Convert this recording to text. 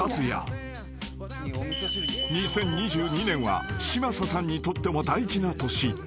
［２０２２年は嶋佐さんにとっても大事な年］